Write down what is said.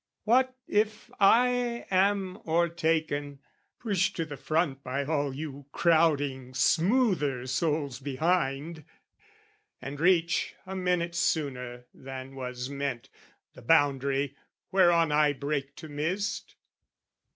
What if I am o'ertaken, pushed to the front By all you crowding smoother souls behind, And reach, a minute sooner than was meant, The boundary, whereon I break to mist?